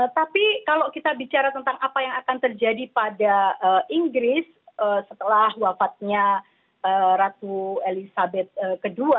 tapi kalau kita bicara tentang apa yang akan terjadi pada inggris setelah wafatnya ratu elizabeth ii